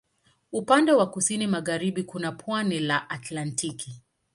Upande wa kusini magharibi kuna pwani la Atlantiki.